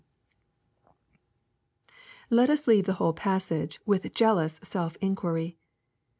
Let us leave the whole passage with jealous self inquiry.